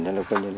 thế là coi như là